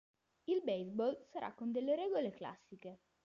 Il Baseball sarà con delle regole classiche.